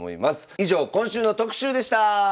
以上今週の特集でした！